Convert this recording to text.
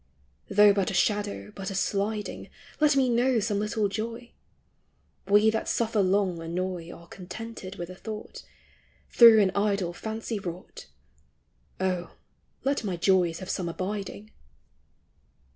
Though but a shadow, but a sliding, Let me know some little joy ! We that suffer long annoy Are contented with a thought, Through an idle fancy wrought : O, let my joys have some abiding